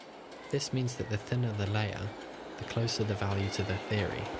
This means that the thinner the layer, the closer the value to the theory.